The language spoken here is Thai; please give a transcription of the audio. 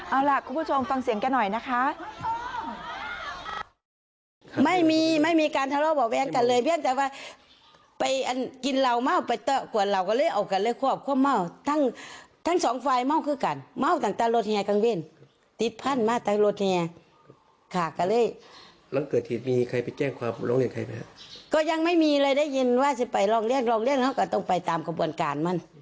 เอาล่ะคุณผู้ชมฟังเสียงแกหน่อยนะคะ